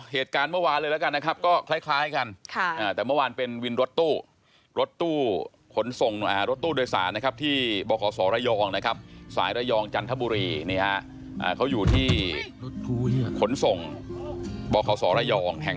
เหตุการณ์เมื่อวานเลยแล้วกันนะครับก็คล้ายคล้ายกัน